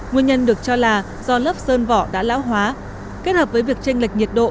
nguyên nhân được cho là do lớp sơn vỏ đã lão hóa kết hợp với việc tranh lệch nhiệt độ